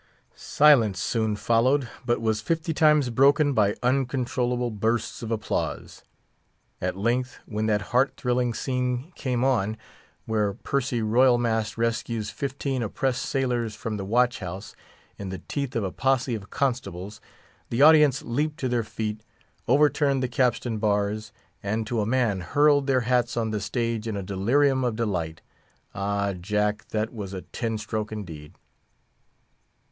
Silence soon followed, but was fifty times broken by uncontrollable bursts of applause. At length, when that heart thrilling scene came on, where Percy Royal Mast rescues fifteen oppressed sailors from the watch house, in the teeth of a posse of constables, the audience leaped to their feet, overturned the capstan bars, and to a man hurled their hats on the stage in a delirium of delight. Ah Jack, that was a ten stroke indeed!